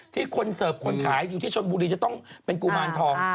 ที่คนเสิร์ฟคนขายอยู่ที่ชนบุรีจะต้องเป็นกุมารทอง